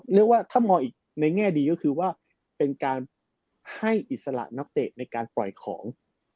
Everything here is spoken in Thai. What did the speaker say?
เรียกว่าถ้ามองอีกในแง่ดีก็คือว่าเป็นการให้อิสระนักเตะในการปล่อยของ